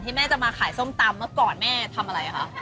แม่จะมาขายส้มตำเมื่อก่อนแม่ทำอะไรคะ